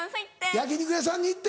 焼き肉屋さんに行って。